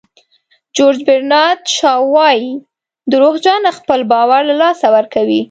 جیورج برنارد شاو وایي دروغجن خپل باور له لاسه ورکوي.